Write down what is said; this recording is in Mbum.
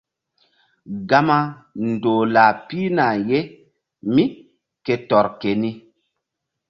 Gama ndoh lah pihna ye mí ke tɔr keni.